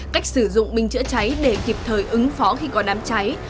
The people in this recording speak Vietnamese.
cách sử dụng bình chữa cháy để kịp thời ứng phó khi có đám cháy